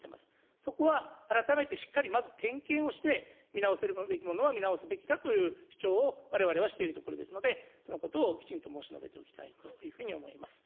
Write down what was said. そこは、改めてしっかり、まず点検をして、見直せるべきものは見直すべきだという主張を、われわれはしているところですので、そのことをきちんと申し述べておきたいというふうに思います。